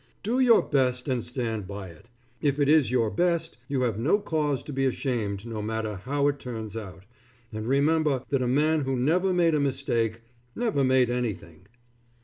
Do your best and stand by it. If it is your best, you have no cause to be ashamed no matter how it turns out, and remember that a man who never made a mistake never made anything.